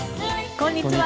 こんにちは。